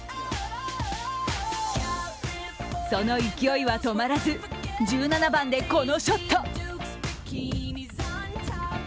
その勢いは止まらず、１７番でこのショット。